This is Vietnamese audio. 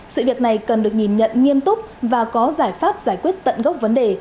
sự việc này cần được nhìn nhận nghiêm túc và có giải pháp giải quyết tận gốc vấn đề